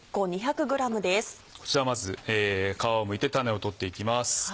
こちらをまず皮をむいて種を取っていきます。